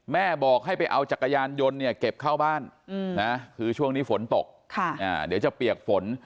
แม่บอกให้ไปเอาจักรยานยนต์เนี่ยเก็บเข้าบ้านนะคือช่วงนี้ฝนตกเดี๋ยวจะเปียกฝน